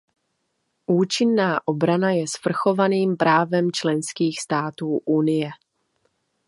Účinná obrana je svrchovaným právem členských států Unie.